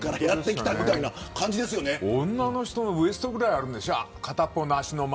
片方の足の周りが女の人のウエストぐらいあるんでしょ。